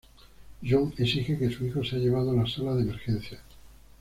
John exige que su hijo sea llevado a la sala de emergencias.